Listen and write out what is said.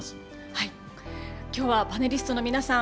はい今日はパネリストの皆さん